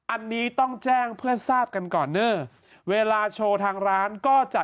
อันนี้ต้องแจ้งเพื่อทราบกันก่อนเนอร์เวลาโชว์ทางร้านก็จะ